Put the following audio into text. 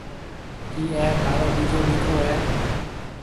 ڪِي اَي ٿارو ٻيجو ڏيڪرو هيَ؟